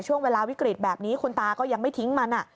ช่วงเวลาวิกฤตแบบนี้คุณตาก็ยังไม่ทิ้งมัน